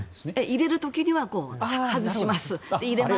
入れる時には外します。